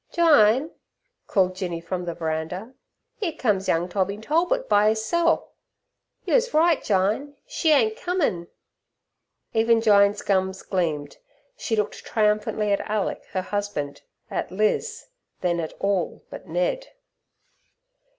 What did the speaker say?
"Jyne," called Jinny from the veranda, "'ere cums young Tommy Tolbit by 'isself. You wus right, Jyne; she ain't cummin'!" Even Jyne's gums gleamed; she looked triumphantly at Alick her husband, at Liz, then at all but Ned.